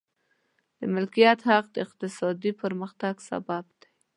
د مالکیت حق د اقتصادي پرمختګ سبب دی.